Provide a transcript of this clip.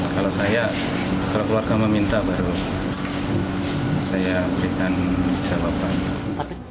kalau saya setelah keluarga meminta baru saya berikan jawaban